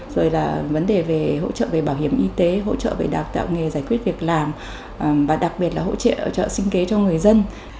rồi là vấn đề về hỗ trợ về bảo hiểm y tế hỗ trợ về đào tạo nghề giải quyết việc làm và đặc biệt là hỗ trợ sinh kế cho người dân